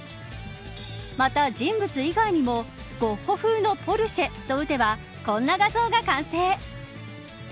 また、人物以外にもゴッホ風のポルシェ、と打てばこんな画像が完成。